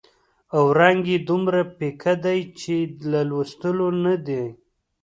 او رنګ یې دومره پیکه دی چې د لوستلو نه دی.